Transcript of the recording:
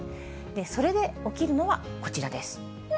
それで起きるのはこちらです。